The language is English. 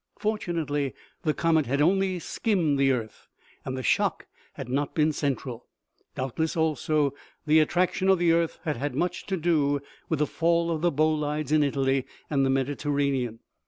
Fortunately, the comet had only skimmed the earth, and the shock had not been central. Doubtless, also, the attraction of the earth had had much to do with the fall of the bolides in Italy and the Mediterranean.